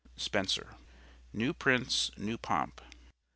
Spencer NEW PRINCE, NEW POMP.